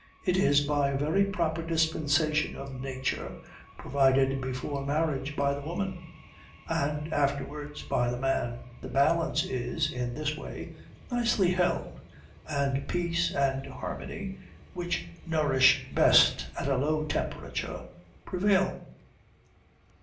It is, by a very proper dispensation of Nature, provided before marriage by the woman, and afterwards by the man. The balance is, in this way, nicely held, and peace and harmony, which nourish best at a low temperature, prevail."